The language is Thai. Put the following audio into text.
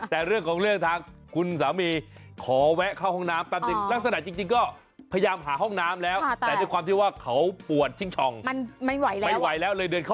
แต่เรื่องของเรื่องทางคุณสามีขอแวะเข้าห้องน้ำแต่ลักษณะจริงก็